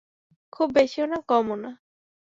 খুব বেশিও না, কমও না।